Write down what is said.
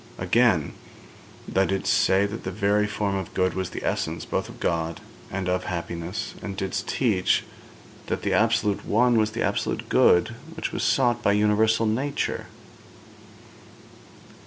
Again, thou didst say that the very form of good was the essence both of God and of happiness, and didst teach that the absolute One was the absolute good which was sought by universal nature.